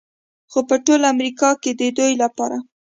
خو په ټول امریکا کې د دوی لپاره